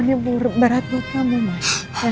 aku tahu ini berat buat kamu mas